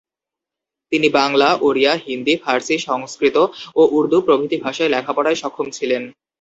তিনি বাংলা, ওড়িয়া, হিন্দী, ফার্সি, সংস্কৃত ও উর্দু প্রভৃতি ভাষায় লেখা-পড়ায় সক্ষম ছিলেন।